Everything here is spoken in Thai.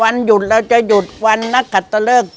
วันหยุดเราจะหยุดวันนักกัดตะเลิก